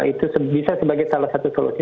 itu bisa sebagai salah satu solusi